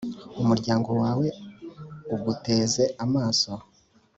Umuryango wawe uguteze amaso